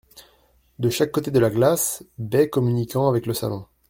De chaque côté de la glace, baies communiquant avec le salon.